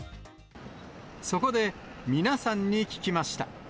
そこで、皆さんに聞きました。